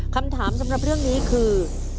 คำถามสำหรับเรื่องนี้คือ